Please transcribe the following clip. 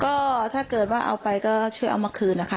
ก็ถ้าเกิดว่าเอาไปก็ช่วยเอามาคืนนะคะ